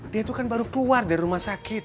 dia itu kan baru keluar dari rumah sakit